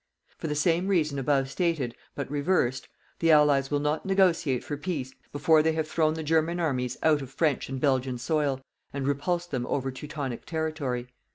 For the same reason above stated, but reversed, the Allies will not negotiate for peace before they have thrown the German armies out of French and Belgian soil, and repulsed them over Teutonic territory.